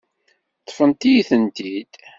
Ṭṭfent-iyi-tent-id.